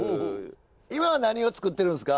今は何を作ってるんですか？